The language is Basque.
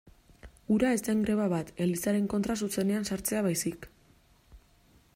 Hura ez zen greba bat, Elizaren kontra zuzenean sartzea baizik.